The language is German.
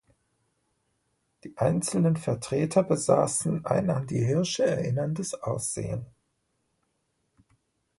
Die einzelnen Vertreter besaßen ein an die Hirsche erinnerndes Aussehen.